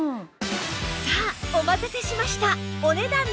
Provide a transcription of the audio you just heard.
さあお待たせしました！